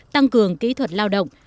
tăng cường kỹ thuật lao động